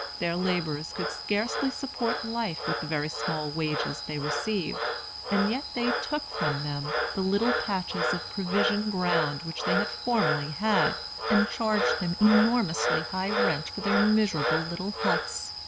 Their laborers could scarcely support life with the very small wages they received; and yet they took from them the little patches of provision ground which they had formerly had, and charged them enormously high rent for their miserable little huts.